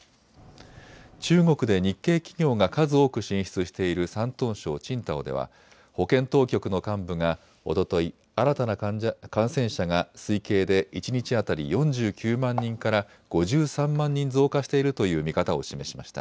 中国で日系企業が数多く進出している山東省青島では保健当局の幹部がおととい新たな感染者が推計で一日当たり４９万人から５３万人増加しているという見方を示しました。